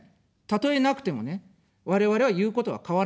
たとえなくてもね、我々は言うことは変わらないんです。